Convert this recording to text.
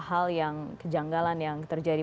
hal yang kejanggalan yang terjadi